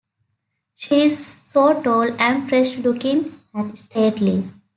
She's so tall and fresh-looking and stately.